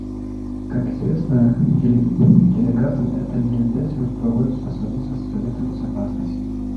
Как известно делегатам, это мероприятие проводится совместно с Советом Безопасности.